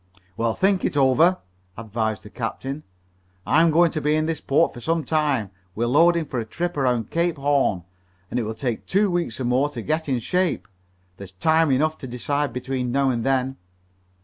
"Well, think it over," advised the captain. "I'm going to be in this port for some time. We're loading for a trip around Cape Horn, and it will take two weeks or more to get in shape. There's time enough to decide between now and then."